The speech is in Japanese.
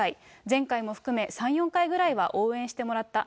前回も含め、３、４回くらいは応援してもらった。